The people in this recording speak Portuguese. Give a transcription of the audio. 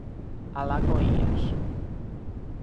Alagoinhas